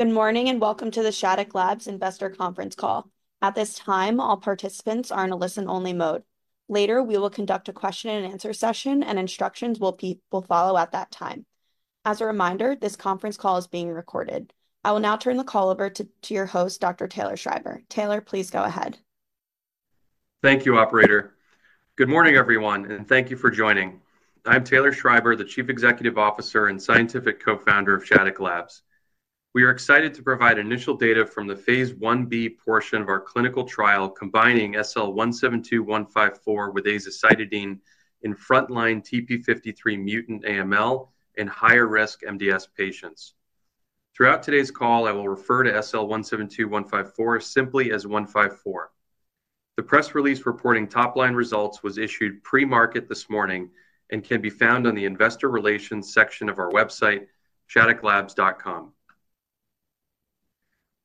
Good morning, and welcome to the Shattuck Labs Investor Conference Call. At this time, all participants are in a listen-only mode. Later, we will conduct a question and answer session, and instructions will follow at that time. As a reminder, this conference call is being recorded. I will now turn the call over to your host, Dr. Taylor Schreiber. Taylor, please go ahead. Thank you, operator. Good morning, everyone, and thank you for joining. I'm Taylor Schreiber, the Chief Executive Officer and Scientific Co-founder of Shattuck Labs. We are excited to provide initial data from the Phase 1b portion of our clinical trial, combining SL-172154 with azacitidine in frontline TP53-mutant AML and higher-risk MDS patients. Throughout today's call, I will refer to SL-172154 simply as 154. The press release reporting top-line results was issued pre-market this morning and can be found on the investor relations section of our website, ShattuckLabs.com.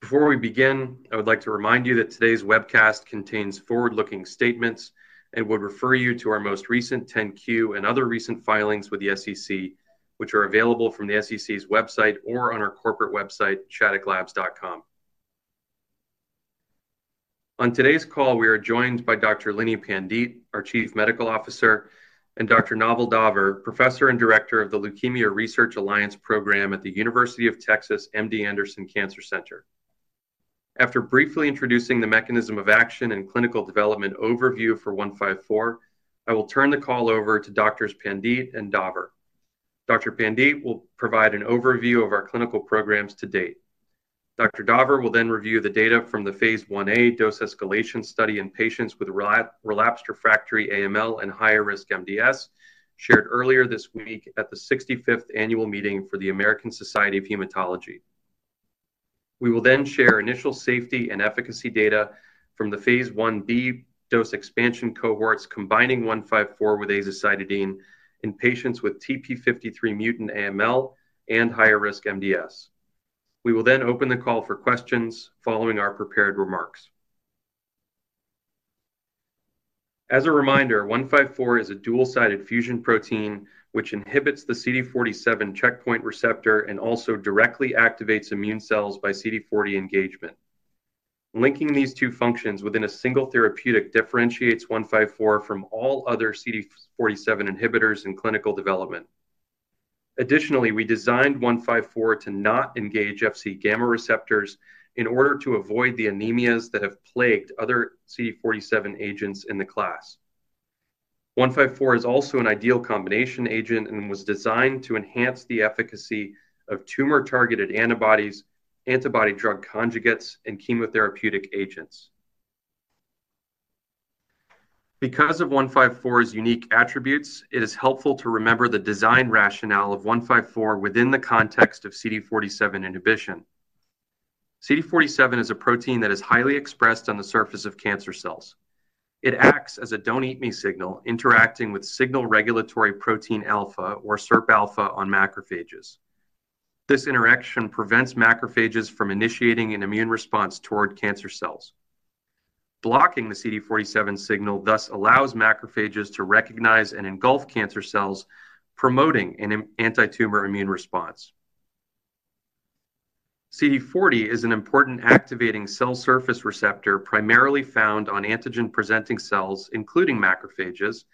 Before we begin, I would like to remind you that today's webcast contains forward-looking statements and would refer you to our most recent 10-Q and other recent filings with the SEC, which are available from the SEC's website or on our corporate website, ShattuckLabs.com. On today's call, we are joined by Dr. Lini Pandite, our Chief Medical Officer, and Dr. Naval Daver, Professor and Director of the Leukemia Research Alliance Program at The University of Texas MD Anderson Cancer Center. After briefly introducing the mechanism of action and clinical development overview for 154, I will turn the call over to Doctors Pandite and Daver. Dr. Pandite will provide an overview of our clinical programs to date. Dr. Daver will then review the data from the Phase 1a dose-escalation study in patients with relapsed refractory AML and higher-risk MDS, shared earlier this week at the 65th annual meeting for the American Society of Hematology. We will then share initial safety and efficacy data from the Phase 1b dose expansion cohorts, combining 154 with azacitidine in patients with TP53-mutant AML and higher-risk MDS. We will then open the call for questions following our prepared remarks. As a reminder, 154 is a dual-sided fusion protein, which inhibits the CD47 checkpoint receptor and also directly activates immune cells by CD40 engagement. Linking these two functions within a single therapeutic differentiates 154 from all other CD47 inhibitors in clinical development. Additionally, we designed 154 to not engage Fc gamma receptors in order to avoid the anemias that have plagued other CD47 agents in the class. 154 is also an ideal combination agent and was designed to enhance the efficacy of tumor-targeted antibodies, antibody drug conjugates, and chemotherapeutic agents. Because of 154's unique attributes, it is helpful to remember the design rationale of 154 within the context of CD47 inhibition. CD47 is a protein that is highly expressed on the surface of cancer cells. It acts as a 'don't eat me' signal, interacting with signal regulatory protein alpha or SIRPα on macrophages. This interaction prevents macrophages from initiating an immune response toward cancer cells. Blocking the CD47 signal, thus allows macrophages to recognize and engulf cancer cells, promoting an anti-tumor immune response. CD40 is an important activating cell surface receptor, primarily found on antigen-presenting cells, including macrophages,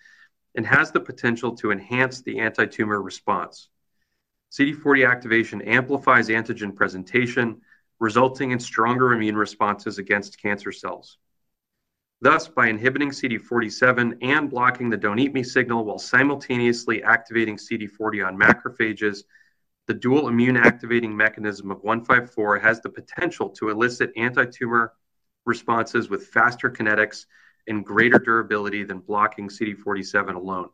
and has the potential to enhance the anti-tumor response. CD40 activation amplifies antigen presentation, resulting in stronger immune responses against cancer cells. Thus, by inhibiting CD47 and blocking the 'don't eat me' signal while simultaneously activating CD40 on macrophages, the dual immune activating mechanism of 154 has the potential to elicit anti-tumor responses with faster kinetics and greater durability than blocking CD47 alone.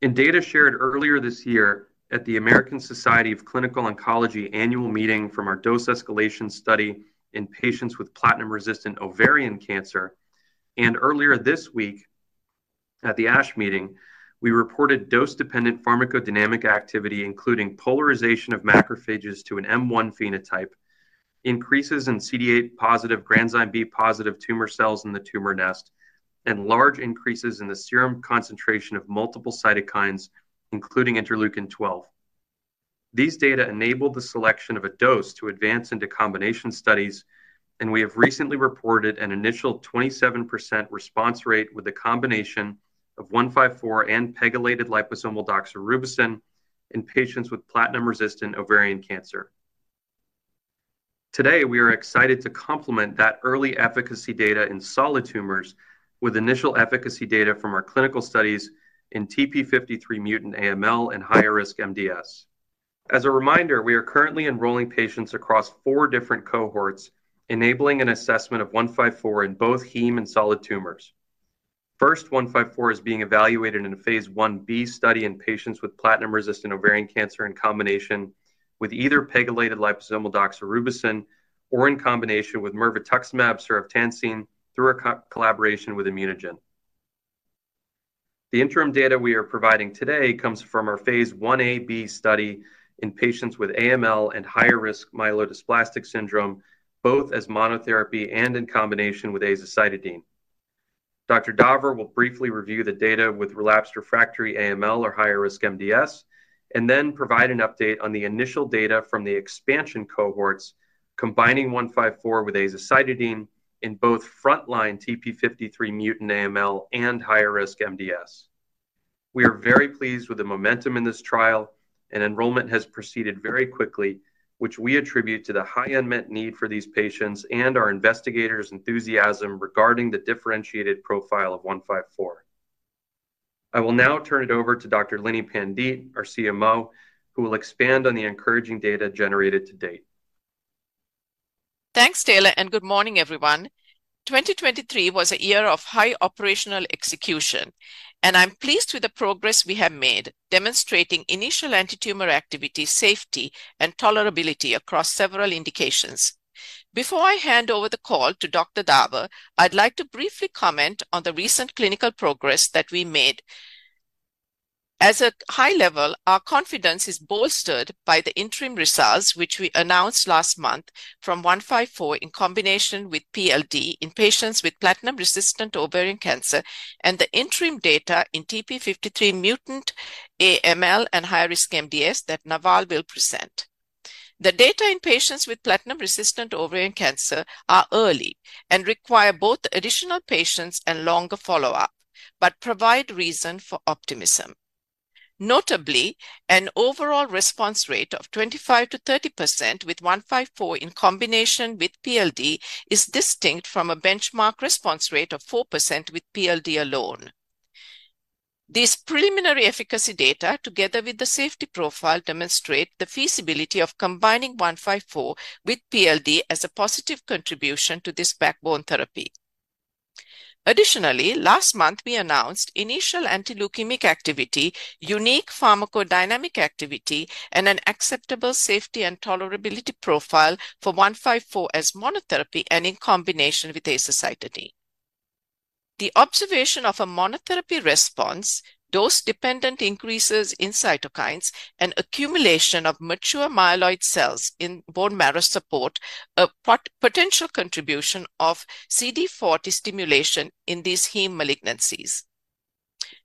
In data shared earlier this year at the American Society of Clinical Oncology annual meeting from our dose-escalation study in patients with platinum-resistant ovarian cancer, and earlier this week at the ASH meeting, we reported dose-dependent pharmacodynamic activity, including polarization of macrophages to an M1 phenotype, increases in CD8-positive granzyme B-positive tumor cells in the tumor nest, and large increases in the serum concentration of multiple cytokines, including interleukin twelve. These data enabled the selection of a dose to advance into combination studies, and we have recently reported an initial 27% response rate with a combination of 154 and pegylated liposomal doxorubicin in patients with platinum-resistant ovarian cancer. Today, we are excited to complement that early efficacy data in solid tumors with initial efficacy data from our clinical studies in TP53-mutant AML and higher-risk MDS. As a reminder, we are currently enrolling patients across four different cohorts, enabling an assessment of 154 in both heme and solid tumors. First, 154 is being evaluated in a Phase 1b study in patients with platinum-resistant ovarian cancer in combination with either pegylated liposomal doxorubicin or in combination with mirvetuximab soravtansine through a collaboration with ImmunoGen. The interim data we are providing today comes from our Phase 1a/b study in patients with AML and higher-risk myelodysplastic syndrome, both as monotherapy and in combination with azacitidine. Dr. Daver will briefly review the data with relapsed/refractory AML or higher-risk MDS, and then provide an update on the initial data from the expansion cohorts, combining 154 with azacitidine in both frontline TP53-mutant AML and higher-risk MDS. We are very pleased with the momentum in this trial, and enrollment has proceeded very quickly, which we attribute to the high unmet need for these patients and our investigators' enthusiasm regarding the differentiated profile of 154. I will now turn it over to Dr. Lini Pandite, our CMO, who will expand on the encouraging data generated to date. Thanks, Taylor, and good morning, everyone. 2023 was a year of high operational execution, and I'm pleased with the progress we have made, demonstrating initial antitumor activity, safety, and tolerability across several indications. Before I hand over the call to Dr. Daver, I'd like to briefly comment on the recent clinical progress that we made. As a high level, our confidence is bolstered by the interim results, which we announced last month from 154 in combination with PLD in patients with platinum-resistant ovarian cancer and the interim data in TP53-mutant AML and higher-risk MDS that Naval will present. The data in patients with platinum-resistant ovarian cancer are early and require both additional patients and longer follow-up but provide reason for optimism. Notably, an overall response rate of 25%-30% with 154 in combination with PLD is distinct from a benchmark response rate of 4% with PLD alone. These preliminary efficacy data, together with the safety profile, demonstrate the feasibility of combining 154 with PLD as a positive contribution to this backbone therapy. Additionally, last month, we announced initial antileukemic activity, unique pharmacodynamic activity, and an acceptable safety and tolerability profile for 154 as monotherapy and in combination with azacitidine. The observation of a monotherapy response, dose-dependent increases in cytokines, and accumulation of mature myeloid cells in bone marrow support a potential contribution of CD40 stimulation in these heme malignancies.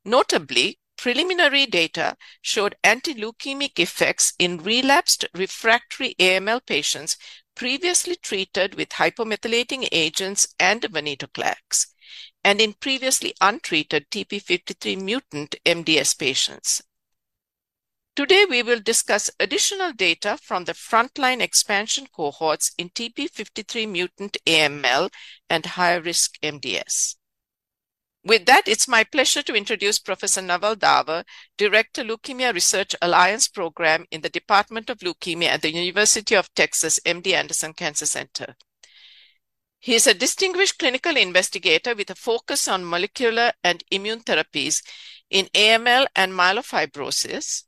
Notably, preliminary data showed antileukemic effects in relapsed/refractory AML patients previously treated with hypomethylating agents and venetoclax and in previously untreated TP53 mutant MDS patients. Today, we will discuss additional data from the frontline expansion cohorts in TP53-mutant AML and higher-risk MDS. With that, it's my pleasure to introduce Professor Naval Daver, Director, Leukemia Research Alliance Program in the Department of Leukemia at The University of Texas MD Anderson Cancer Center. He's a distinguished clinical investigator with a focus on molecular and immune therapies in AML and myelofibrosis,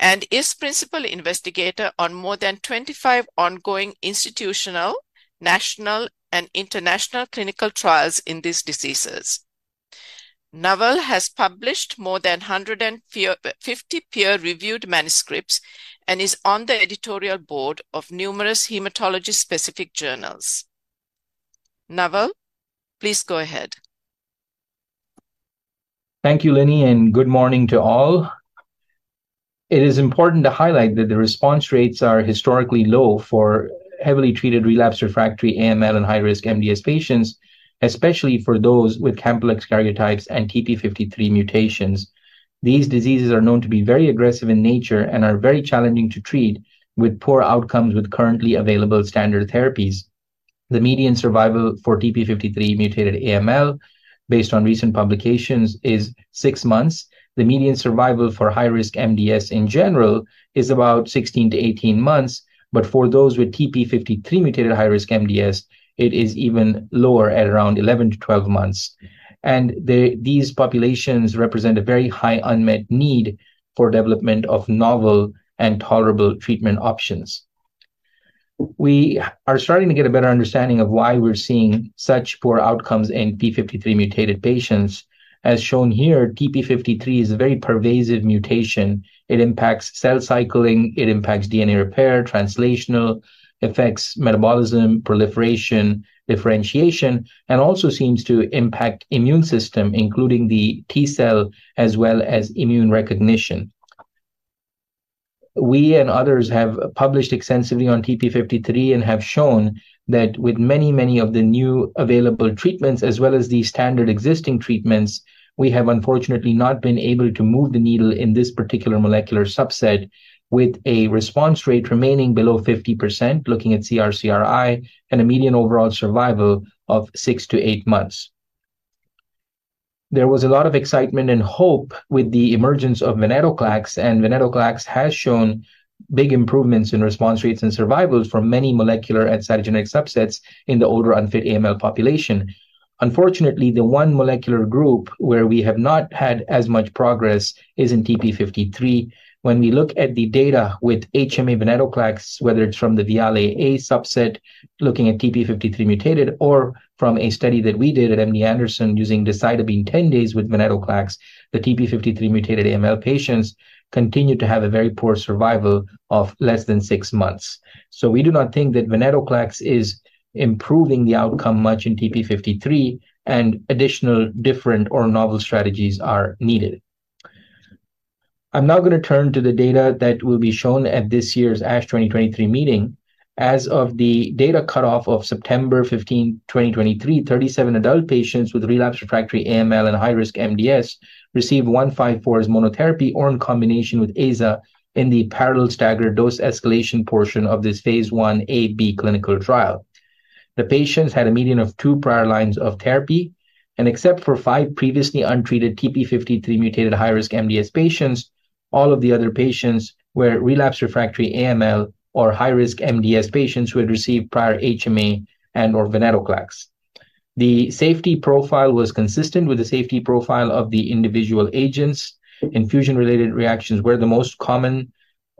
and is principal investigator on more than 25 ongoing institutional, national, and international clinical trials in these diseases. Naval has published more than 150 peer-reviewed manuscripts and is on the editorial board of numerous hematology-specific journals. Naval, please go ahead. Thank you, Lini, and good morning to all. It is important to highlight that the response rates are historically low for heavily treated relapsed/refractory AML and higher-risk MDS patients, especially for those with complex karyotypes and TP53 mutations. These diseases are known to be very aggressive in nature and are very challenging to treat, with poor outcomes with currently available standard therapies. The median survival for TP53 mutated AML, based on recent publications, is six months. The median survival for higher-risk MDS in general is about 16-18 months, but for those with TP53 mutated higher-risk MDS, it is even lower, at around 11-12 months. And these populations represent a very high unmet need for development of novel and tolerable treatment options. We are starting to get a better understanding of why we're seeing such poor outcomes in TP53 mutated patients. As shown here, TP53 is a very pervasive mutation. It impacts cell cycling, it impacts DNA repair, translational effects, metabolism, proliferation, differentiation, and also seems to impact immune system, including the T cell, as well as immune recognition. We and others have published extensively on TP53 and have shown that with many, many of the new available treatments, as well as the standard existing treatments, we have unfortunately not been able to move the needle in this particular molecular subset, with a response rate remaining below 50%, looking at CR/CRi, and a median overall survival of 6-8 months. There was a lot of excitement and hope with the emergence of venetoclax, and venetoclax has shown big improvements in response rates and survivals from many molecular and cytogenetic subsets in the older unfit AML population. Unfortunately, the one molecular group where we have not had as much progress is in TP53. When we look at the data with HMA venetoclax, whether it's from the VIALE-A subset, looking at TP53 mutated, or from a study that we did at MD Anderson using decitabine 10 days with venetoclax, the TP53 mutated AML patients continued to have a very poor survival of less than 6 months. So we do not think that venetoclax is improving the outcome much in TP53, and additional different or novel strategies are needed. I'm now gonna turn to the data that will be shown at this year's ASH 2023 meeting. As of the data cutoff of September 15, 2023, 37 adult patients with relapsed/refractory AML and higher-risk MDS received 154 as monotherapy or in combination with aza in the parallel staggered dose escalation portion of this Phase 1a/b clinical trial. The patients had a median of 2 prior lines of therapy, and except for 5 previously untreated TP53 mutated higher-risk MDS patients, all of the other patients were relapsed/refractory AML or higher-risk MDS patients who had received prior HMA and/or venetoclax. The safety profile was consistent with the safety profile of the individual agents. Infusion-related reactions were the most common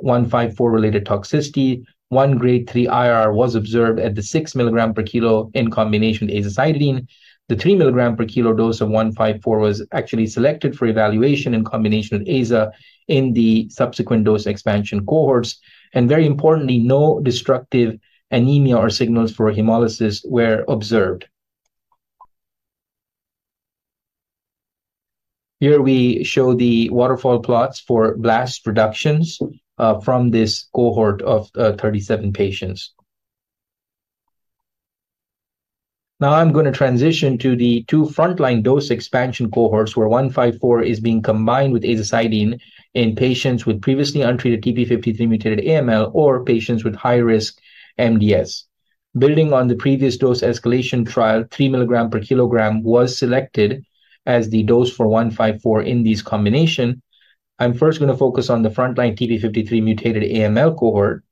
154-related toxicity. One grade 3 IR was observed at the 6 mg/kg in combination with azacitidine. The 3 milligram per kilo dose of 154 was actually selected for evaluation in combination with aza in the subsequent dose expansion cohorts, and very importantly, no destructive anemia or signals for hemolysis were observed. Here we show the waterfall plots for blast reductions from this cohort of 37 patients. Now I'm gonna transition to the 2 frontline dose expansion cohorts, where 154 is being combined with azacitidine in patients with previously untreated TP53 mutated AML or patients with higher-risk MDS. Building on the previous dose escalation trial, 3 milligram per kilogram was selected as the dose for 154 in this combination. I'm first gonna focus on the frontline TP53 mutated AML cohort.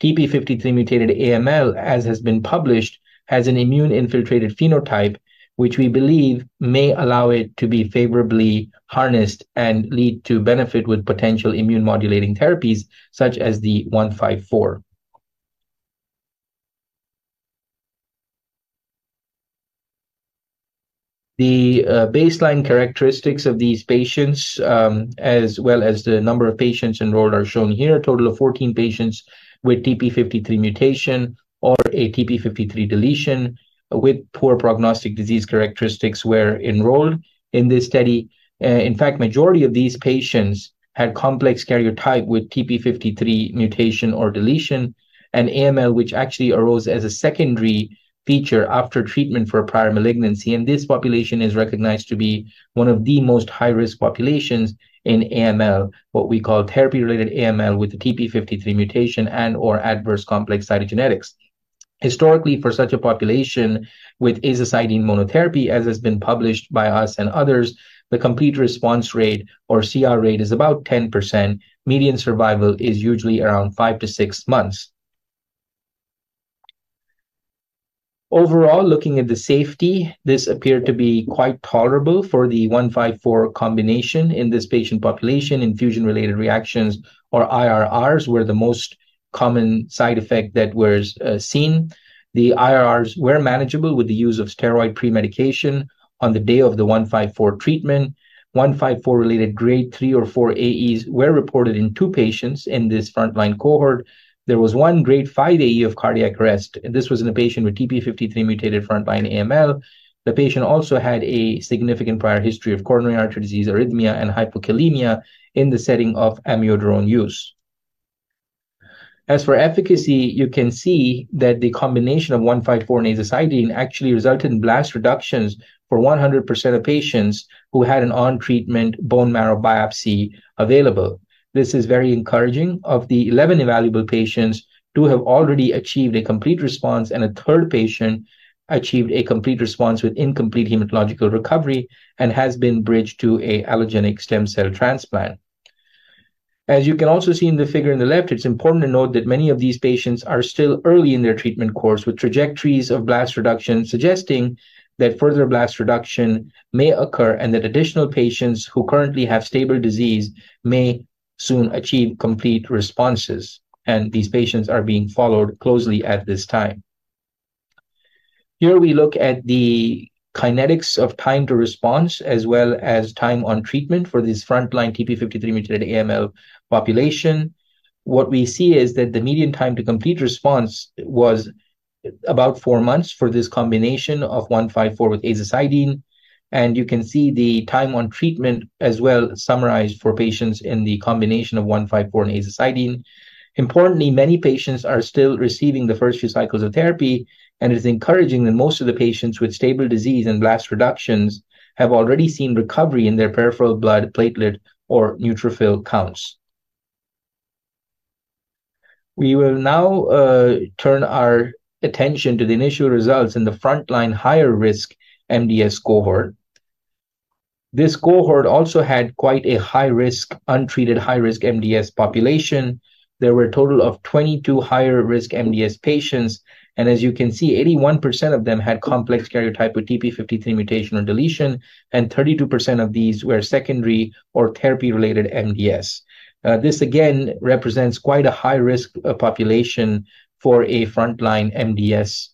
TP53 mutated AML, as has been published, has an immune-infiltrated phenotype, which we believe may allow it to be favorably harnessed and lead to benefit with potential immune-modulating therapies, such as 154. The baseline characteristics of these patients, as well as the number of patients enrolled, are shown here. A total of 14 patients with TP53 mutation or a TP53 deletion with poor prognostic disease characteristics were enrolled in this study. In fact, majority of these patients had complex karyotype with TP53 mutation or deletion and AML, which actually arose as a secondary feature after treatment for a prior malignancy. And this population is recognized to be one of the most high-risk populations in AML, what we call therapy-related AML with a TP53 mutation and/or adverse complex cytogenetics. Historically, for such a population with azacitidine monotherapy, as has been published by us and others, the complete response rate or CR rate is about 10%. Median survival is usually around 5-6 months. Overall, looking at the safety, this appeared to be quite tolerable for the 154 combination in this patient population. Infusion-related reactions, or IRRs, were the most common side effect that was seen. The IRRs were manageable with the use of steroid pre-medication on the day of the 154 treatment. 154-related grade 3 or 4 AEs were reported in two patients in this frontline cohort. There was one grade 5 AE of cardiac arrest, and this was in a patient with TP53 mutated frontline AML. The patient also had a significant prior history of coronary artery disease, arrhythmia, and hypokalemia in the setting of amiodarone use. As for efficacy, you can see that the combination of 154 and azacitidine actually resulted in blast reductions for 100% of patients who had an on-treatment bone marrow biopsy available. This is very encouraging. Of the 11 evaluable patients, 2 have already achieved a complete response, and a third patient achieved a complete response with incomplete hematological recovery and has been bridged to an allogeneic stem cell transplant. As you can also see in the figure on the left, it's important to note that many of these patients are still early in their treatment course, with trajectories of blast reduction suggesting that further blast reduction may occur and that additional patients who currently have stable disease may soon achieve complete responses, and these patients are being followed closely at this time. Here we look at the kinetics of time to response, as well as time on treatment for this frontline TP53 mutated AML population. What we see is that the median time to complete response was about 4 months for this combination of 154 with azacitidine, and you can see the time on treatment as well summarized for patients in the combination of 154 and azacitidine. Importantly, many patients are still receiving the first few cycles of therapy, and it is encouraging that most of the patients with stable disease and blast reductions have already seen recovery in their peripheral blood platelet or neutrophil counts. We will now turn our attention to the initial results in the frontline higher-risk MDS cohort. This cohort also had quite a high-risk untreated higher-risk MDS population. There were a total of 22 higher-risk MDS patients, and as you can see, 81% of them had complex karyotype with TP53 mutation or deletion, and 32% of these were secondary or therapy-related MDS. This again represents quite a high-risk population for a frontline MDS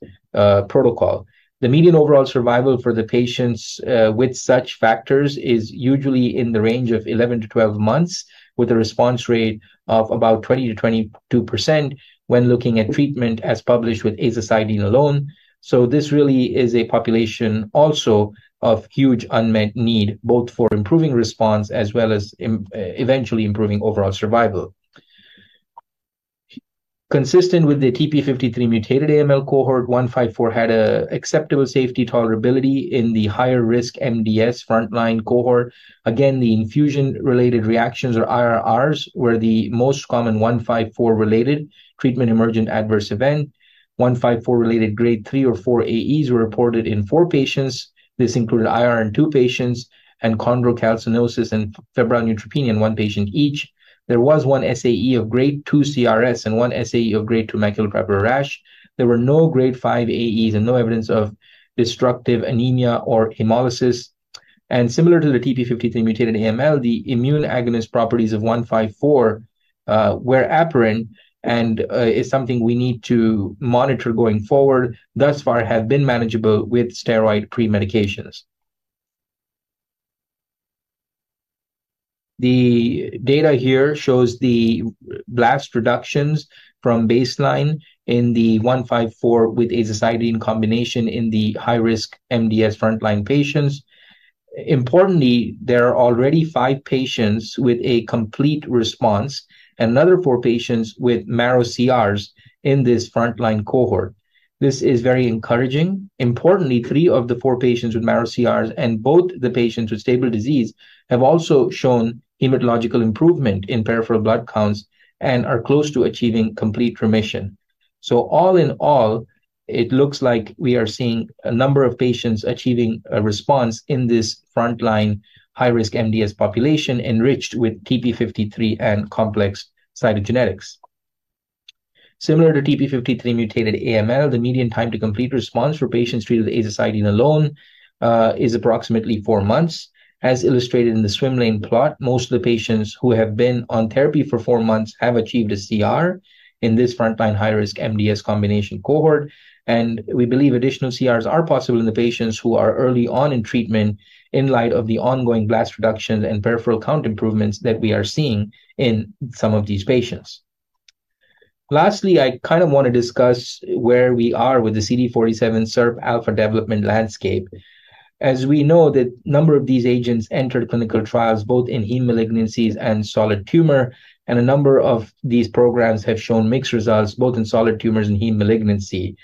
protocol. The median overall survival for the patients with such factors is usually in the range of 11-12 months, with a response rate of about 20%-22% when looking at treatment as published with azacitidine alone. So this really is a population also of huge unmet need, both for improving response as well as eventually improving overall survival. Consistent with the TP53 mutated AML cohort, 154 had an acceptable safety tolerability in the higher risk MDS frontline cohort. Again, the infusion-related reactions, or IRRs, were the most common 154-related treatment emergent adverse event. 154-related grade 3 or 4 AEs were reported in 4 patients. This included IRR in 2 patients and chondrocalcinosis and febrile neutropenia in 1 patient each. There was 1 SAE of grade 2 CRS and 1 SAE of grade 2 maculopapular rash. There were no grade 5 AEs and no evidence of destructive anemia or hemolysis. And similar to the TP53 mutated AML, the immune agonist properties of 154 were apparent and is something we need to monitor going forward, thus far have been manageable with steroid premedications. The data here shows the blast reductions from baseline in the 154 with azacitidine in combination in the higher-risk MDS frontline patients. Importantly, there are already five patients with a complete response and another four patients with marrow CRs in this frontline cohort. This is very encouraging. Importantly, three of the four patients with marrow CRs and both the patients with stable disease have also shown hematological improvement in peripheral blood counts and are close to achieving complete remission. So all in all, it looks like we are seeing a number of patients achieving a response in this frontline higher-risk MDS population enriched with TP53 and complex cytogenetics. Similar to TP53 mutated AML, the median time to complete response for patients treated with azacitidine alone, is approximately four months. As illustrated in the swim lane plot, most of the patients who have been on therapy for four months have achieved a CR in this frontline higher-risk MDS combination cohort, and we believe additional CRs are possible in the patients who are early on in treatment in light of the ongoing blast reduction and peripheral count improvements that we are seeing in some of these patients. Lastly, I kind of wanna discuss where we are with the CD47 SIRP alpha development landscape. As we know, that number of these agents entered clinical trials both in heme malignancies and solid tumor, and a number of these programs have shown mixed results, both in solid tumors and heme malignancy.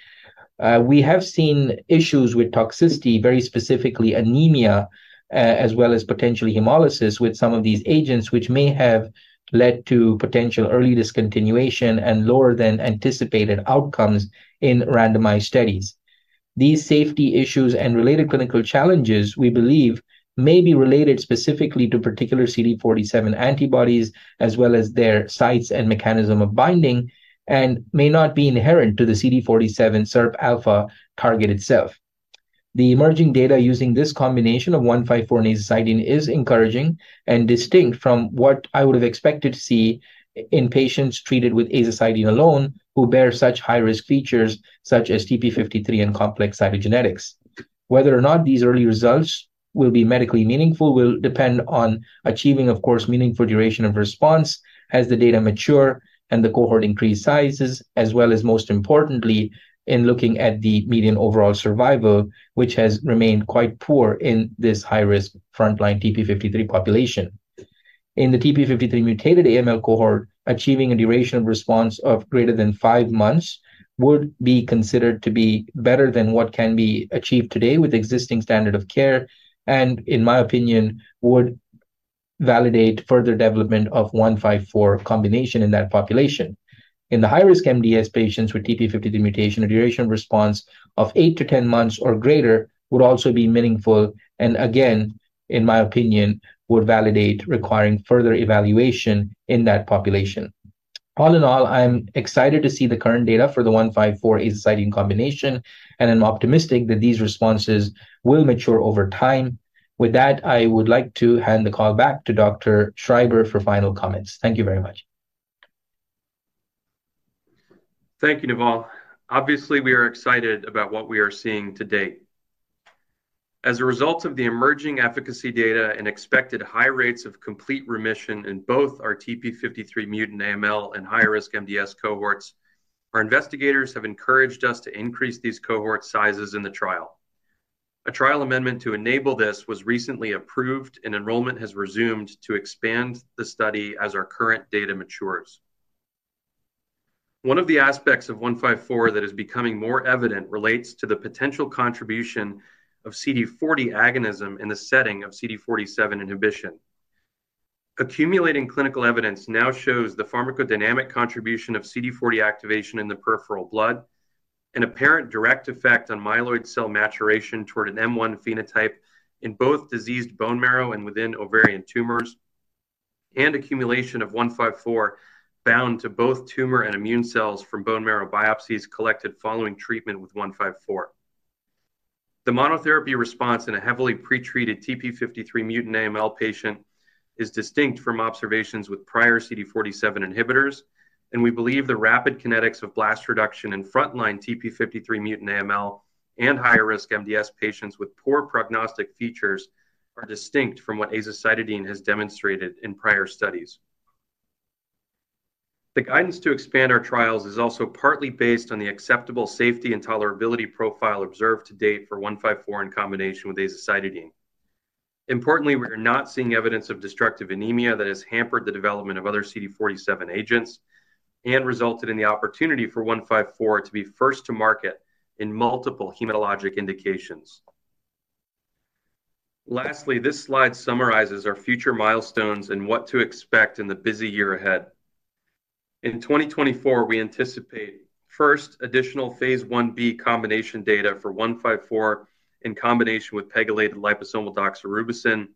We have seen issues with toxicity, very specifically anemia, as well as potentially hemolysis with some of these agents, which may have led to potential early discontinuation and lower-than-anticipated outcomes in randomized studies. These safety issues and related clinical challenges, we believe, may be related specifically to particular CD47 antibodies, as well as their sites and mechanism of binding, and may not be inherent to the CD47 SIRP alpha target itself. The emerging data using this combination of 154 and azacitidine is encouraging and distinct from what I would have expected to see in patients treated with azacitidine alone, who bear such high-risk features such as TP53 and complex cytogenetics. Whether or not these early results will be medically meaningful will depend on achieving, of course, meaningful duration of response as the data mature and the cohort increase sizes, as well as, most importantly, in looking at the median overall survival, which has remained quite poor in this high-risk frontline TP53 population. In the TP53-mutated AML cohort, achieving a duration of response of greater than 5 months would be considered to be better than what can be achieved today with existing standard of care and, in my opinion, would validate further development of 154 combination in that population. In the higher-risk MDS patients with TP53 mutation, a duration response of 8-10 months or greater would also be meaningful and, again, in my opinion, would validate requiring further evaluation in that population. All in all, I'm excited to see the current data for the 154 azacitidine combination, and I'm optimistic that these responses will mature over time. With that, I would like to hand the call back to Dr. Schreiber for final comments. Thank you very much. Thank you, Naval. Obviously, we are excited about what we are seeing to date. As a result of the emerging efficacy data and expected high rates of complete remission in both our TP53-mutant AML and higher-risk MDS cohorts, our investigators have encouraged us to increase these cohort sizes in the trial. A trial amendment to enable this was recently approved, and enrollment has resumed to expand the study as our current data matures. One of the aspects of 154 that is becoming more evident relates to the potential contribution of CD40 agonism in the setting of CD47 inhibition. Accumulating clinical evidence now shows the pharmacodynamic contribution of CD40 activation in the peripheral blood, an apparent direct effect on myeloid cell maturation toward an M1 phenotype in both diseased bone marrow and within ovarian tumors, and accumulation of 154 bound to both tumor and immune cells from bone marrow biopsies collected following treatment with 154. The monotherapy response in a heavily pretreated TP53-mutant AML patient is distinct from observations with prior CD47 inhibitors, and we believe the rapid kinetics of blast reduction in frontline TP53-mutant AML and higher-risk MDS patients with poor prognostic features are distinct from what azacitidine has demonstrated in prior studies. The guidance to expand our trials is also partly based on the acceptable safety and tolerability profile observed to date for 154 in combination with azacitidine. Importantly, we are not seeing evidence of destructive anemia that has hampered the development of other CD47 agents and resulted in the opportunity for 154 to be first to market in multiple hematologic indications. Lastly, this slide summarizes our future milestones and what to expect in the busy year ahead. In 2024, we anticipate first additional Phase 1b combination data for 154 in combination with pegylated liposomal doxorubicin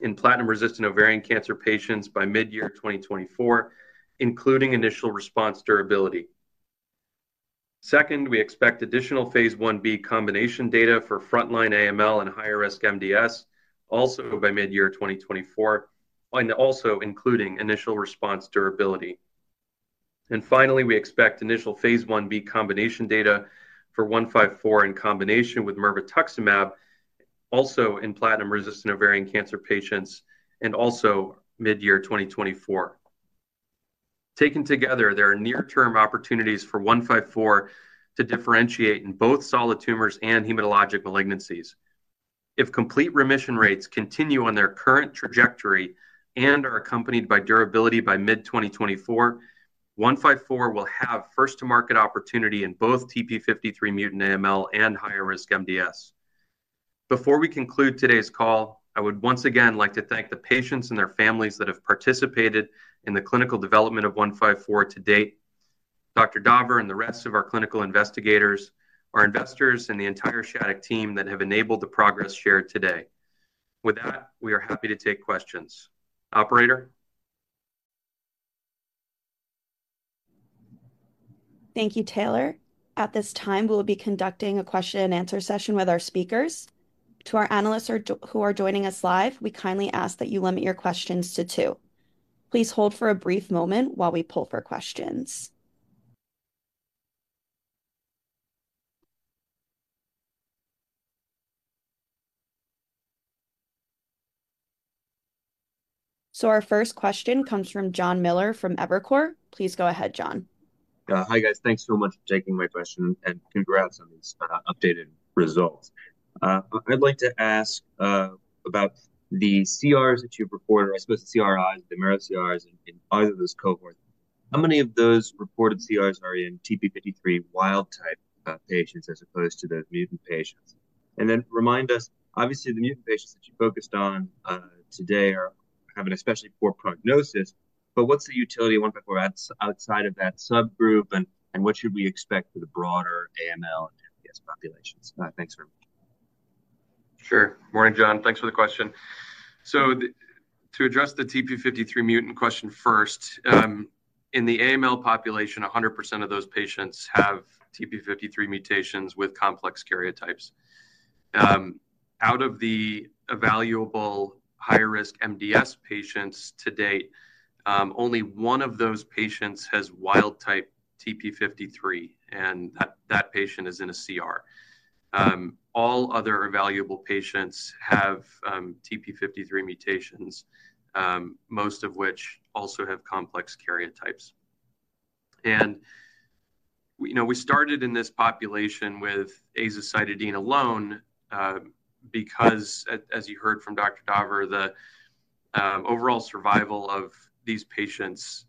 in platinum-resistant ovarian cancer patients by mid-2024, including initial response durability. Second, we expect additional Phase 1b combination data for frontline AML and higher-risk MDS, also by mid-2024, and also including initial response durability. And finally, we expect initial Phase 1b combination data for 154 in combination with mirvetuximab, also in platinum-resistant ovarian cancer patients and also mid-2024. Taken together, there are near-term opportunities for 154 to differentiate in both solid tumors and hematologic malignancies. If complete remission rates continue on their current trajectory and are accompanied by durability by mid-2024, 154 will have first-to-market opportunity in both TP53-mutant AML and higher-risk MDS. Before we conclude today's call, I would once again like to thank the patients and their families that have participated in the clinical development of 154 to date, Dr. Daver and the rest of our clinical investigators, our investors, and the entire Shattuck team that have enabled the progress shared today. With that, we are happy to take questions. Operator? Thank you, Taylor. At this time, we will be conducting a question and answer session with our speakers. To our analysts who are joining us live, we kindly ask that you limit your questions to two. Please hold for a brief moment while we poll for questions. Our first question comes from John Miller from Evercore. Please go ahead, John. Hi, guys. Thanks so much for taking my question, and congrats on these updated results. I'd like to ask about the CRs that you've reported, I suppose CRIs, the marrow CRs in either of those cohorts. How many of those reported CRs are in TP53 wild type patients, as opposed to the mutant patients? And then remind us, obviously, the mutant patients that you focused on today are have an especially poor prognosis, but what's the utility of 154 outside of that subgroup, and what should we expect for the broader AML and MDS populations? Thanks very much. Sure. Morning, John. Thanks for the question. So, to address the TP53 mutant question first, in the AML population, 100% of those patients have TP53 mutations with complex karyotypes. Out of the evaluable higher-risk MDS patients to date, only one of those patients has wild-type TP53, and that patient is in a CR. All other evaluable patients have TP53 mutations, most of which also have complex karyotypes. And we, you know, we started in this population with azacitidine alone, because as you heard from Dr. Daver, the overall survival of these patients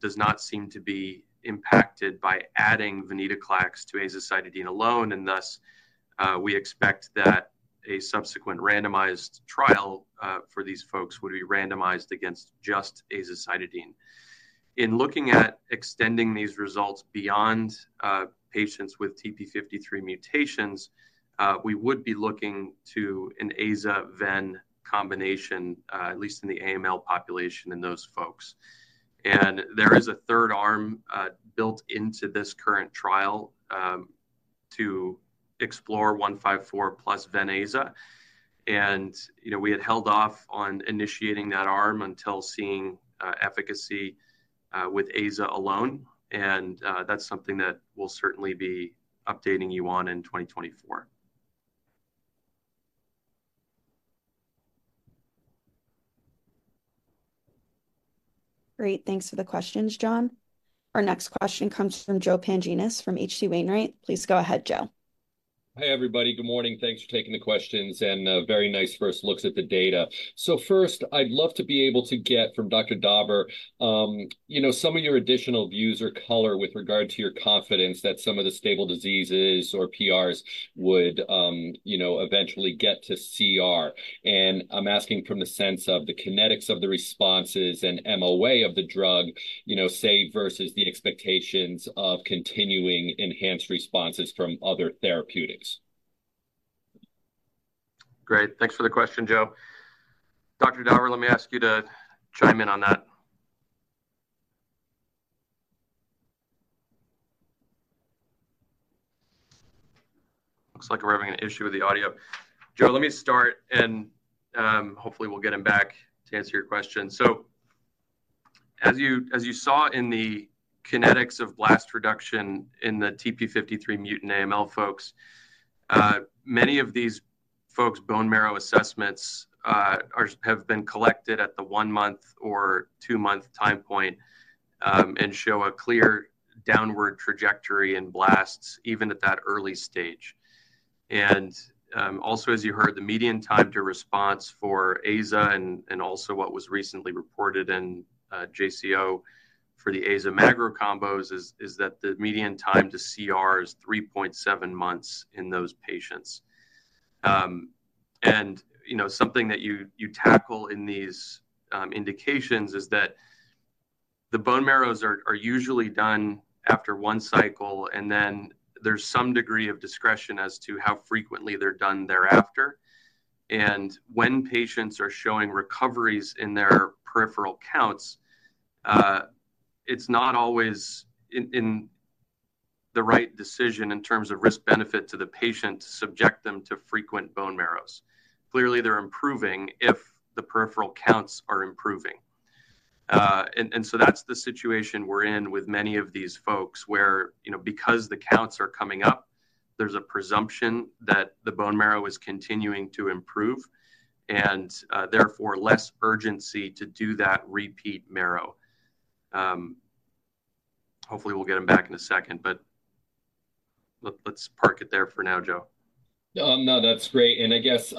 does not seem to be impacted by adding venetoclax to azacitidine alone. And thus, we expect that a subsequent randomized trial for these folks would be randomized against just azacitidine. In looking at extending these results beyond patients with TP53 mutations, we would be looking to an aza/ven combination, at least in the AML population in those folks. There is a third arm built into this current trial to explore 154 plus ven/aza. You know, we had held off on initiating that arm until seeing efficacy with aza alone, and that's something that we'll certainly be updating you on in 2024. Great, thanks for the questions, John. Our next question comes from Joe Pantginis from HC Wainwright. Please go ahead, Joe. Hi, everybody. Good morning. Thanks for taking the questions, and very nice first looks at the data. So first, I'd love to be able to get from Dr. Daver, you know, some of your additional views or color with regard to your confidence that some of the stable diseases or PRs would, you know, eventually get to CR. And I'm asking from the sense of the kinetics of the responses and MOA of the drug, you know, say, versus the expectations of continuing enhanced responses from other therapeutics. Great, thanks for the question, Joe. Dr. Daver, let me ask you to chime in on that. Looks like we're having an issue with the audio. Joe, let me start, and, hopefully, we'll get him back to answer your question. So as you saw in the kinetics of blast reduction in the TP53-mutant AML folks, many of these folks' bone marrow assessments are, have been collected at the one-month or two-month time point, and show a clear downward trajectory in blasts even at that early stage. And, also, as you heard, the median time to response for AZA and also what was recently reported in JCO for the AZA magro combos is that the median time to CR is 3.7 months in those patients. You know, something that you tackle in these indications is that the bone marrows are usually done after one cycle, and then there's some degree of discretion as to how frequently they're done thereafter. When patients are showing recoveries in their peripheral counts, it's not always the right decision in terms of risk-benefit to the patient to subject them to frequent bone marrows. Clearly, they're improving if the peripheral counts are improving. So that's the situation we're in with many of these folks, where, you know, because the counts are coming up, there's a presumption that the bone marrow is continuing to improve and, therefore, less urgency to do that repeat marrow. Hopefully, we'll get them back in a second, but let's park it there for now, Joe. No, that's great. And I guess,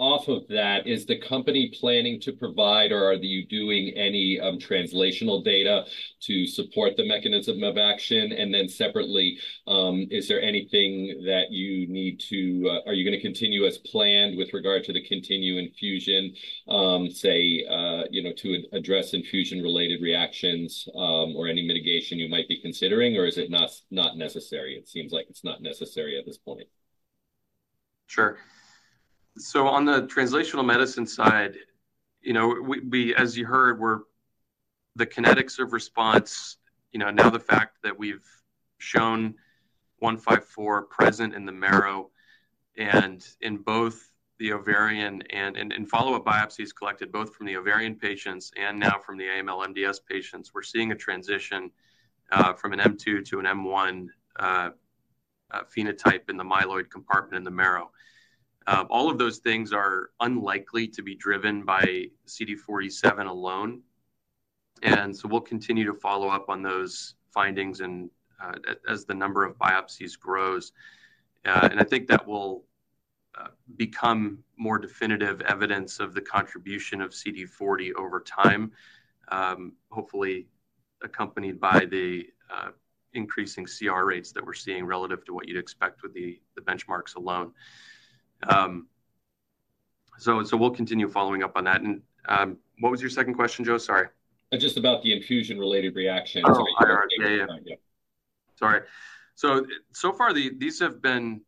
off of that, is the company planning to provide or are you doing any, translational data to support the mechanism of action? And then separately, is there anything that you need to... Are you gonna continue as planned with regard to the continue infusion, say, you know, to address infusion-related reactions, or any mitigation you might be considering, or is it not necessary? It seems like it's not necessary at this point. Sure. So on the translational medicine side, you know, we—as you heard, we're the kinetics of response, you know, now the fact that we've shown 154 present in the marrow and in both the ovarian and in follow-up biopsies collected both from the ovarian patients and now from the AML MDS patients, we're seeing a transition from an M2 to an M1 phenotype in the myeloid compartment in the marrow. All of those things are unlikely to be driven by CD47 alone, and so we'll continue to follow up on those findings and as the number of biopsies grows. And I think that will become more definitive evidence of the contribution of CD40 over time, hopefully accompanied by the increasing CR rates that we're seeing relative to what you'd expect with the benchmarks alone. So we'll continue following up on that. And what was your second question, Joe? Sorry. Just about the infusion-related reaction. Oh, IRR. Yeah. Sorry. So far, these have been.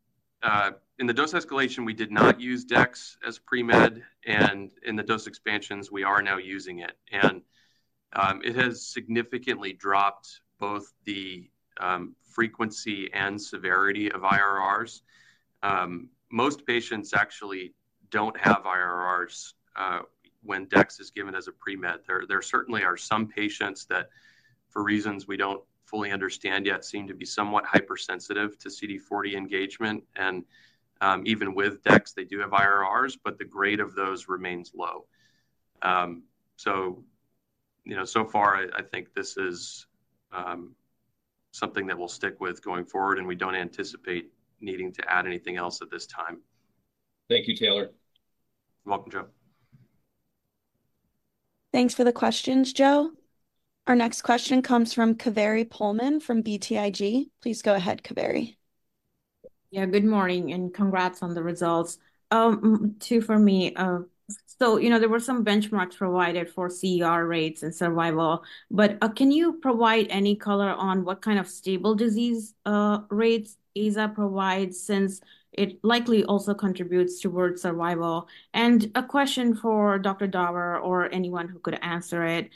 In the dose escalation, we did not use dex as pre-med, and in the dose expansions, we are now using it. And, it has significantly dropped both the frequency and severity of IRRs. Most patients actually don't have IRRs when dex is given as a pre-med. There certainly are some patients that, for reasons we don't fully understand yet, seem to be somewhat hypersensitive to CD40 engagement, and even with dex, they do have IRRs, but the grade of those remains low. So, you know, so far, I think this is something that we'll stick with going forward, and we don't anticipate needing to add anything else at this time. Thank you, Taylor. You're welcome, Joe. Thanks for the questions, Joe. Our next question comes from Kaveri Pohlman from BTIG. Please go ahead, Kaveri. Yeah, good morning, and congrats on the results. Two for me. So, you know, there were some benchmarks provided for CER rates and survival, but, can you provide any color on what kind of stable disease rates AZA provides, since it likely also contributes towards survival? A question for Dr. Daver or anyone who could answer it: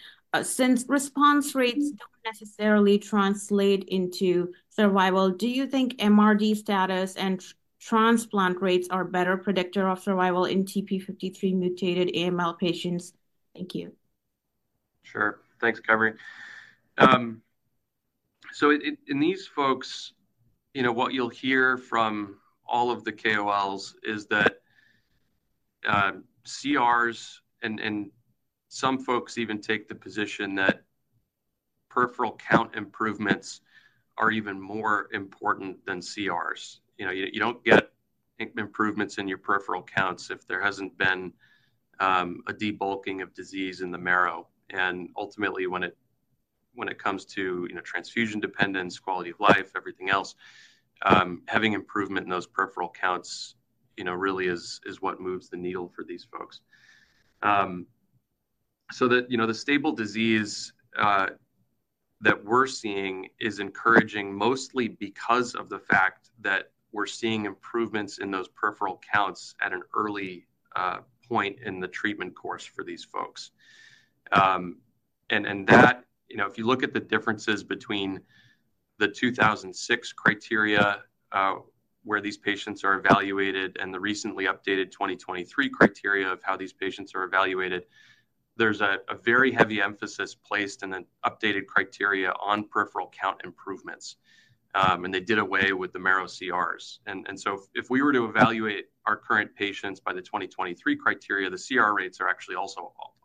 Since response rates don't necessarily translate into survival, do you think MRD status and transplant rates are a better predictor of survival in TP53 mutated AML patients? Thank you. Sure. Thanks, Kaveri. So in these folks, you know, what you'll hear from all of the KOLs is that CRs, and some folks even take the position that peripheral count improvements are even more important than CRs. You know, you don't get improvements in your peripheral counts if there hasn't been a debulking of disease in the marrow. And ultimately, when it comes to, you know, transfusion dependence, quality of life, everything else, having improvement in those peripheral counts, you know, really is what moves the needle for these folks. So the, you know, the stable disease that we're seeing is encouraging mostly because of the fact that we're seeing improvements in those peripheral counts at an early point in the treatment course for these folks. you know, if you look at the differences between the 2006 IWG criteria, where these patients are evaluated and the recently updated 2023 criteria of how these patients are evaluated, there's a very heavy emphasis placed in an updated criteria on peripheral count improvements. And they did away with the marrow CRs. So if we were to evaluate our current patients by the 2023 criteria, the CR rates are actually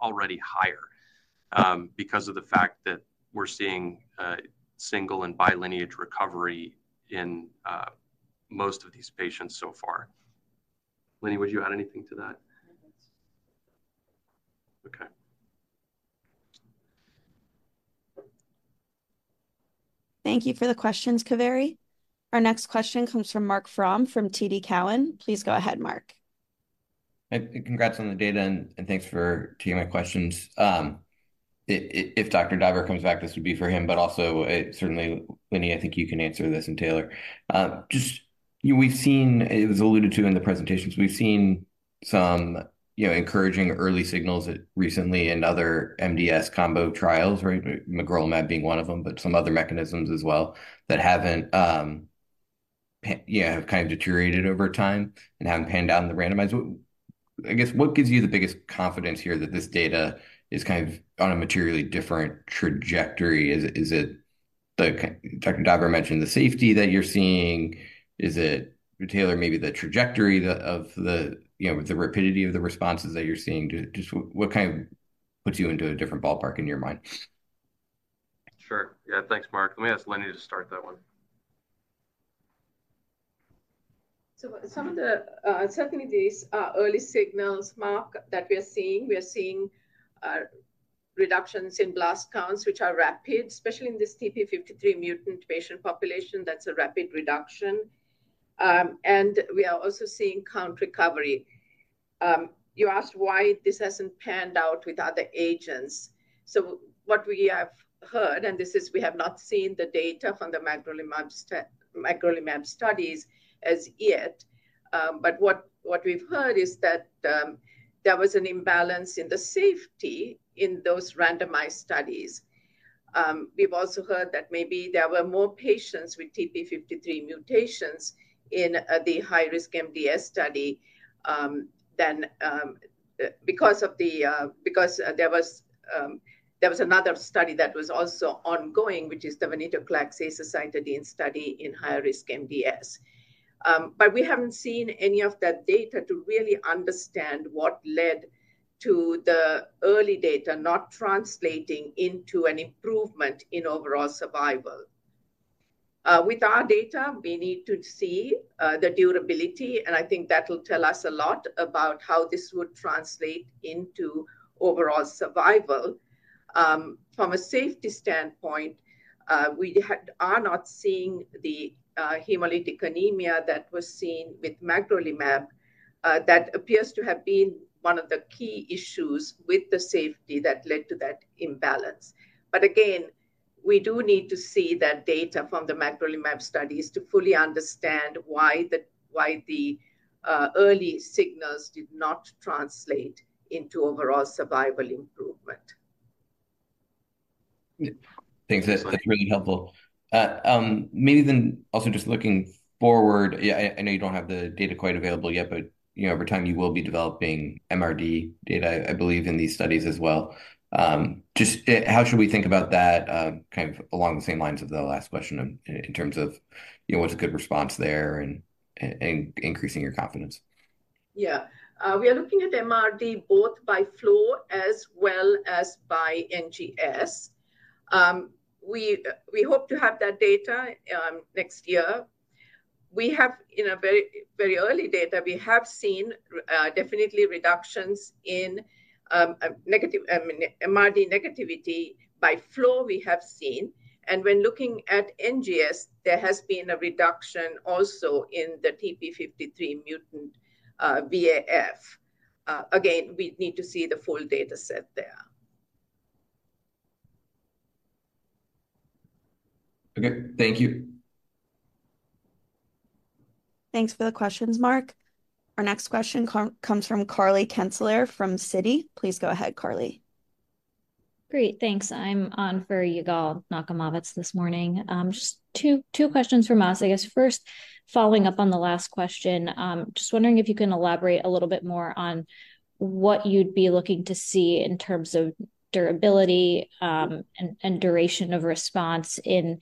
already higher, because of the fact that we're seeing a single and bi-lineage recovery in most of these patients so far. Lini, would you add anything to that? No, that's- Okay. Thank you for the questions, Kaveri. Our next question comes from Marc Frahm from TD Cowen. Please go ahead, Mark. Hey, congrats on the data and, and thanks for taking my questions. If Dr. Daver comes back, this would be for him, but also, certainly, Lini, I think you can answer this, and Taylor. Just, we've seen... It was alluded to in the presentations. We've seen some, you know, encouraging early signals recently in other MDS combo trials, right? Magrolimab being one of them, but some other mechanisms as well, that haven't, yeah, have kind of deteriorated over time and haven't panned out in the randomized. I guess, what gives you the biggest confidence here that this data is kind of on a materially different trajectory? Is, is it the Dr. Daver mentioned the safety that you're seeing. Is it, Taylor, maybe the trajectory, the, of the, you know, the rapidity of the responses that you're seeing? Just what, what kind of puts you into a different ballpark in your mind? Sure. Yeah, thanks, Mark. Let me ask Lini to start that one. So some of the, certainly these are early signals, Mark, that we are seeing. We are seeing reductions in blast counts, which are rapid, especially in this TP53 mutant patient population, that's a rapid reduction. And we are also seeing count recovery. You asked why this hasn't panned out with other agents. So what we have heard, and this is, we have not seen the data from the magrolimab studies as yet, but what we've heard is that, there was an imbalance in the safety in those randomized studies. We've also heard that maybe there were more patients with TP53 mutations in the higher-risk MDS study than because there was another study that was also ongoing, which is the venetoclax azacitidine study in higher-risk MDS. But we haven't seen any of that data to really understand what led to the early data not translating into an improvement in overall survival. With our data, we need to see the durability, and I think that will tell us a lot about how this would translate into overall survival. From a safety standpoint, we are not seeing the hemolytic anemia that was seen with magrolimab. That appears to have been one of the key issues with the safety that led to that imbalance. But again, we do need to see that data from the magrolimab studies to fully understand why the early signals did not translate into overall survival improvement. Yeah. Thanks. That's, that's really helpful. Maybe then also just looking forward, yeah, I, I know you don't have the data quite available yet, but, you know, over time you will be developing MRD data, I believe, in these studies as well. Just, how should we think about that, kind of along the same lines as the last question in, in terms of, you know, what's a good response there and, and, increasing your confidence? Yeah, we are looking at MRD both by flow as well as by NGS. We, we hope to have that data, next year. We have in a very, very early data, we have seen definitely reductions in, a negative, MRD negativity by flow, we have seen. And when looking at NGS, there has been a reduction also in the TP53 mutant, VAF. Again, we need to see the full data set there. Okay. Thank you. Thanks for the questions, Mark. Our next question comes from Carly Kenselaar, from Citi. Please go ahead, Carly. Great, thanks. I'm on for Yigal Nochomovitz this morning. Just 2 questions from us. I guess, first, following up on the last question, just wondering if you can elaborate a little bit more on what you'd be looking to see in terms of durability, and duration of response in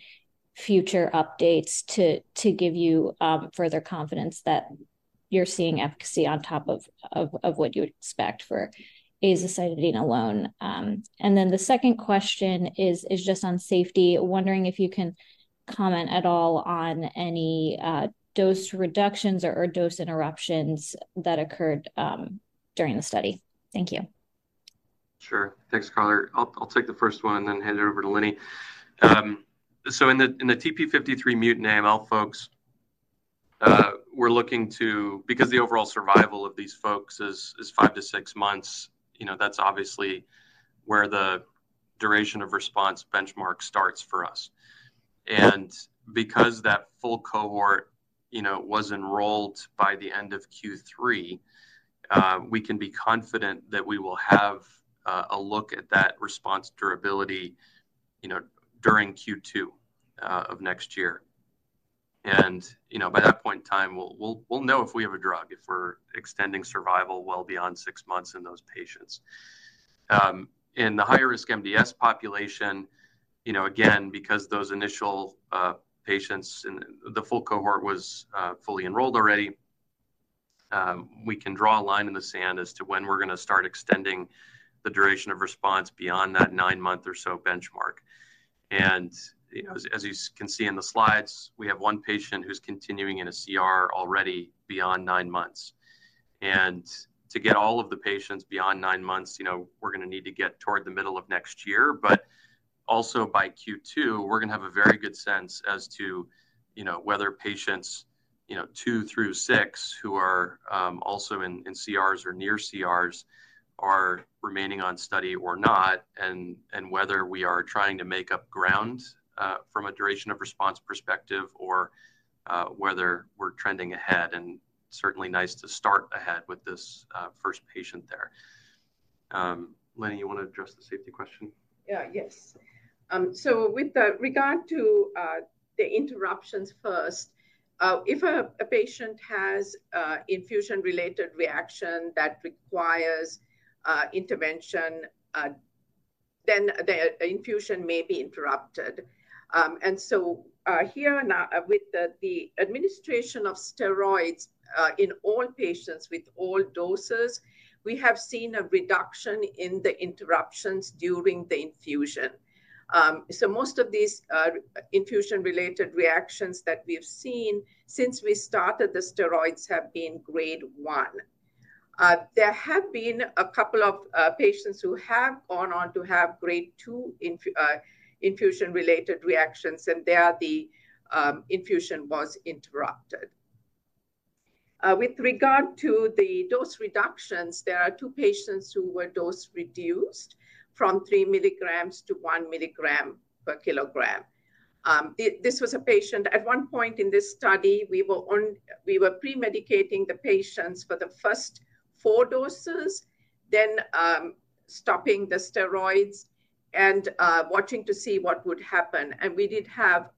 future updates to give you further confidence that you're seeing efficacy on top of what you'd expect for azacitidine alone. And then the second question is just on safety. Wondering if you can comment at all on any dose reductions or dose interruptions that occurred during the study. Thank you. Sure. Thanks, Carly. I'll take the first one and then hand it over to Lini. So in the TP53-mutant AML folks, we're looking to, because the overall survival of these folks is 5-6 months, you know, that's obviously where the duration of response benchmark starts for us. And because that full cohort, you know, was enrolled by the end of Q3, we can be confident that we will have a look at that response durability, you know, during Q2 of next year... and, you know, by that point in time, we'll know if we have a drug, if we're extending survival well beyond 6 months in those patients. In the higher-risk MDS population, you know, again, because those initial patients in the full cohort was fully enrolled already, we can draw a line in the sand as to when we're gonna start extending the duration of response beyond that nine-month or so benchmark. And, you know, you can see in the slides, we have one patient who's continuing in a CR already beyond nine months. And to get all of the patients beyond nine months, you know, we're gonna need to get toward the middle of next year. But also by Q2, we're gonna have a very good sense as to, you know, whether patients, you know, 2 through 6, who are also in CRs or near CRs, are remaining on study or not, and whether we are trying to make up ground from a duration of response perspective or whether we're trending ahead, and certainly nice to start ahead with this first patient there. Lini, you wanna address the safety question? Yeah. Yes. So with regard to the interruptions first, if a patient has infusion-related reaction that requires intervention, then the infusion may be interrupted. And so here now with the administration of steroids in all patients with all doses, we have seen a reduction in the interruptions during the infusion. So most of these infusion-related reactions that we have seen since we started the steroids have been grade 1. There have been a couple of patients who have gone on to have grade 2 infusion-related reactions, and there the infusion was interrupted. With regard to the dose reductions, there are 2 patients who were dose-reduced from 3 milligrams to 1 milligram per kilogram. This was a patient... At one point in this study, we were pre-medicating the patients for the first 4 doses, then stopping the steroids and watching to see what would happen. We did have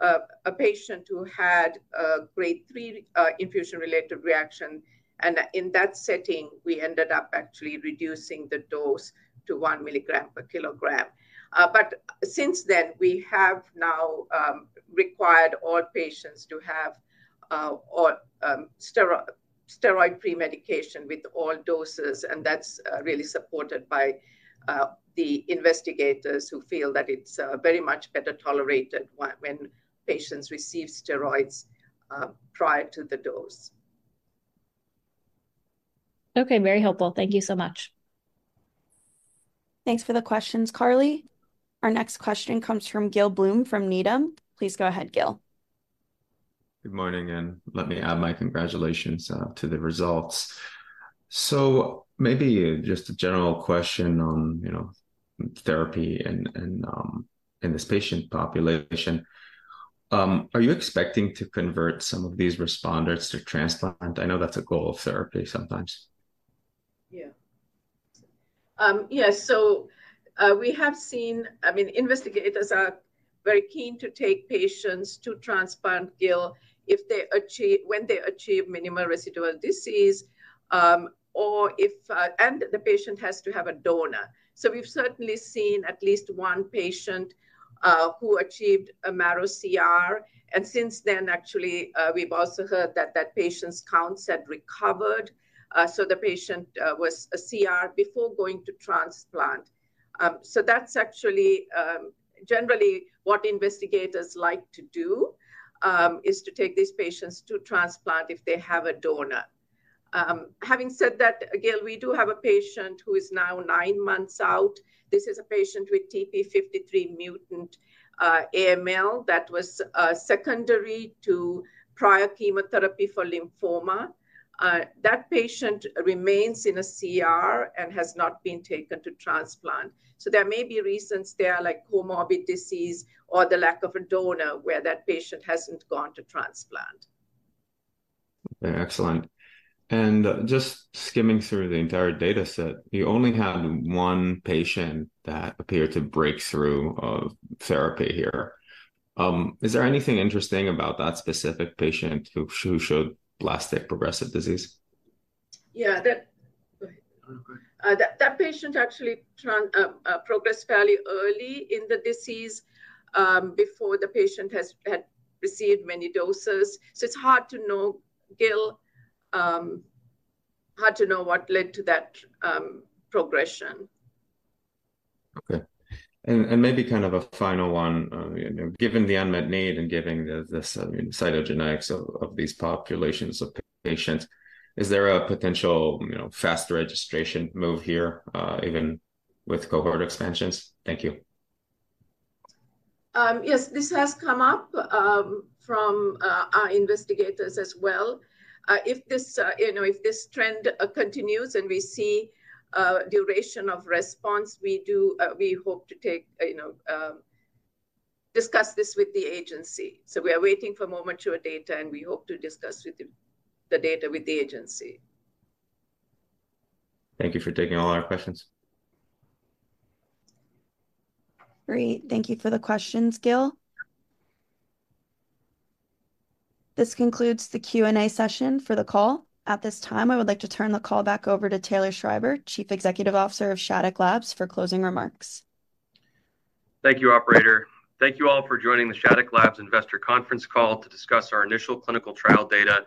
a patient who had a grade 3 infusion-related reaction, and in that setting, we ended up actually reducing the dose to 1 milligram per kilogram. But since then, we have now required all patients to have steroid pre-medication with all doses, and that's really supported by the investigators, who feel that it's very much better tolerated when patients receive steroids prior to the dose. Okay, very helpful. Thank you so much. Thanks for the questions, Carly. Our next question comes from Gil Blum from Needham. Please go ahead, Gil. Good morning, and let me add my congratulations to the results. So maybe just a general question on, you know, therapy and in this patient population. Are you expecting to convert some of these responders to transplant? I know that's a goal of therapy sometimes. Yeah. Yes, so we have seen—I mean, investigators are very keen to take patients to transplant, Gil, if they achieve—when they achieve minimal residual disease, or if and the patient has to have a donor. So we've certainly seen at least one patient who achieved a marrow CR, and since then, actually, we've also heard that that patient's counts had recovered. So the patient was a CR before going to transplant. So that's actually generally what investigators like to do is to take these patients to transplant if they have a donor. Having said that, again, we do have a patient who is now nine months out. This is a patient with TP53-mutant AMLthat was secondary to prior chemotherapy for lymphoma. That patient remains in a CR and has not been taken to transplant. So there may be reasons there, like comorbid disease or the lack of a donor, where that patient hasn't gone to transplant. Excellent. Just skimming through the entire dataset, you only had one patient that appeared to breakthrough of therapy here. Is there anything interesting about that specific patient who showed blastic progressive disease? Yeah, that- Go ahead. That patient actually progressed fairly early in the disease, before the patient had received many doses. So it's hard to know, Gil, hard to know what led to that progression. Okay. And maybe kind of a final one, you know, given the unmet need and given the cytogenetics of these populations of patients, is there a potential, you know, faster registration move here, even with cohort expansions? Thank you. Yes, this has come up from our investigators as well. If this, you know, if this trend continues and we see duration of response, we do, we hope to take, you know, discuss this with the agency. So we are waiting for more mature data, and we hope to discuss the data with the agency. Thank you for taking all our questions. Great, thank you for the questions, Gil. This concludes the Q&A session for the call. At this time, I would like to turn the call back over to Taylor Schreiber, Chief Executive Officer of Shattuck Labs, for closing remarks. Thank you, operator. Thank you all for joining the Shattuck Labs investor conference call to discuss our initial clinical trial data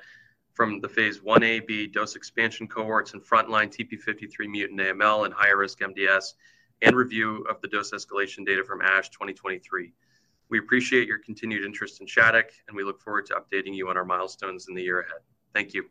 from the Phase 1a/b dose expansion cohorts in frontline TP53-mutant AML and higher-risk MDS, and review of the dose escalation data from ASH 2023. We appreciate your continued interest in Shattuck, and we look forward to updating you on our milestones in the year ahead. Thank you.